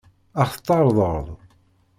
Ad ɣ-t-tɛeṛḍeḍ?